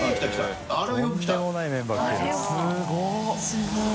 すごい！